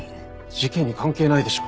事件に関係ないでしょう。